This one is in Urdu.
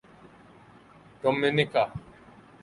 ڈومنیکا